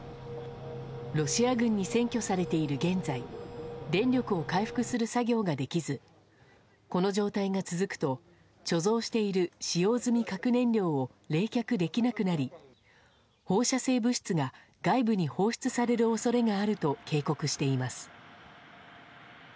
ロシア軍に占拠されている現在電力を回復する作業ができずこの状態が続くと貯蔵している使用済み核燃料を冷却できなくなり放射性物質が外部に放出される恐れがあると警告しています。